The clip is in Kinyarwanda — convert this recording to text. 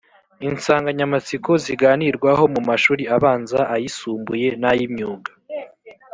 insanganyamatsiko ziganirwaho mu mashuri abanza ayisumbuye n ay imyuga